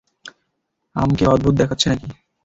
আমকে অদ্ভুত দেখাচ্ছে নাকি?